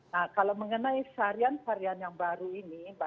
nah kalau mengenai varian varian yang baru ini